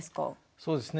そうですね。